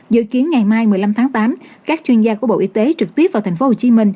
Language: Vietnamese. dự kiến ngày mai một mươi năm tháng tám các chuyên gia của bộ y tế trực tiếp vào tp hcm